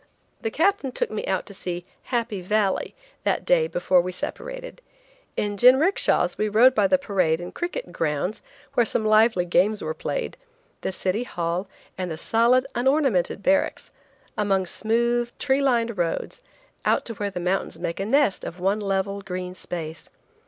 The Captain took me out to see "Happy Valley" that day before we separated. In jinrickshas we rode by the parade and cricket grounds where some lively games are played, the city hall, and the solid, unornamented barracks; along smooth, tree lined roads, out to where the mountains make a nest of one level, green space.